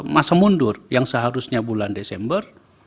masa mundur yang seharusnya bulan desember